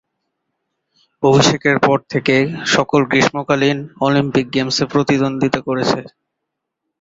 অভিষেকের পর থেকে সকল গ্রীষ্মকালীন অলিম্পিক গেমসে প্রতিদ্বন্দ্বিতা করেছে।